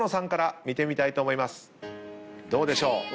どうでしょう？